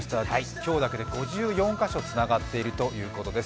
今日だけで５４カ所つながっているということです。